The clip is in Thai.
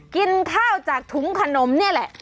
กินข้าวจากถุงขนมนี่แหละ